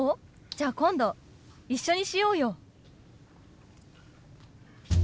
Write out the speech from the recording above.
じゃ今度一緒にしようよ。